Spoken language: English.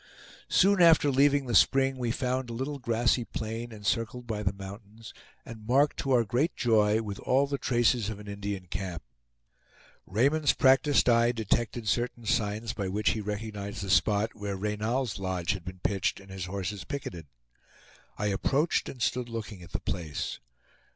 Soon after leaving the spring we found a little grassy plain, encircled by the mountains, and marked, to our great joy, with all the traces of an Indian camp. Raymond's practiced eye detected certain signs by which he recognized the spot where Reynal's lodge had been pitched and his horses picketed. I approached, and stood looking at the place.